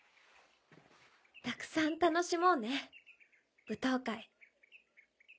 たくさん楽しもうね舞踏会。